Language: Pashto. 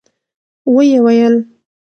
و يې ويل.